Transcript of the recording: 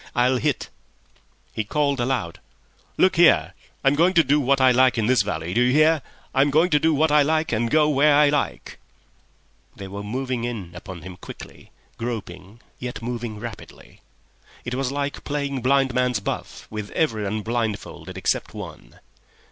I'll hit." He called aloud, "Look here, I'm going to do what I like in this valley! Do you hear? I'm going to do what I like and go where I like." They were moving in upon him quickly, groping, yet moving rapidly. It was like playing blind man's buff with everyone blindfolded except one.